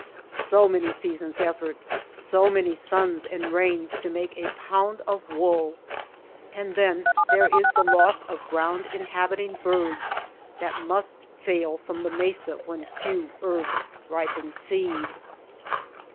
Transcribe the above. So many seasons' effort, so many suns and rains to make a pound of wool ! And then there is the loss of ground inhabiting birds that must fail from the mesa when few herbs ripen seed.